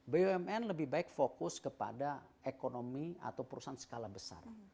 bumn lebih baik fokus kepada ekonomi atau perusahaan skala besar